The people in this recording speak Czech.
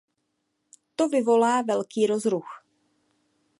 To vyvolá velký rozruch.